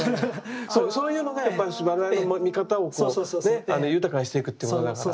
そういうのがやっぱり我々の見方をこうね豊かにしていくってことだから。